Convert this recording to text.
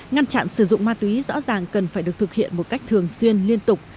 ngăn chặn sử dụng ma túy rõ ràng cần phải được thực hiện một cách thường xuyên liên tục